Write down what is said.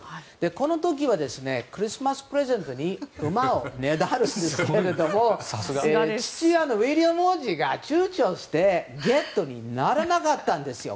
この時はクリスマスプレゼントに馬をねだるんですけども父親のウィリアム王子が躊躇してゲットならなかったんですよ。